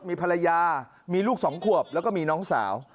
มีภรรยามีลูก๒ขวบแล้วก็มีน้องสาว